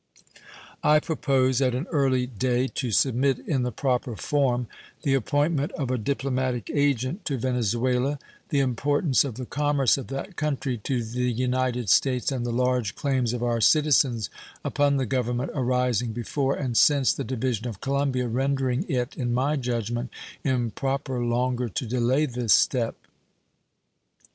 I propose at an early day to submit, in the proper form, the appointment of a diplomatic agent to Venezuela, the importance of the commerce of that country to the United States and the large claims of our citizens upon the Government arising before and since the division of Colombia rendering it, in my judgment, improper longer to delay this step.